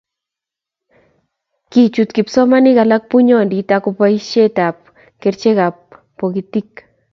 kichut kipsomanik alak bunyondit ak boisietab kerchekab bokitik